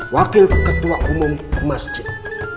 wakil ketua umum masjid